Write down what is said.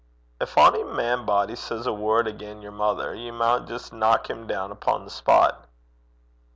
'Gin ony man body says a word agen yer mither, ye maun jist knock him doon upo' the spot.'